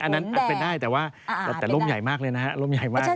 อันนั้นเป็นได้แต่ว่าแต่ร่มใหญ่มากเลยนะฮะร่มใหญ่มาก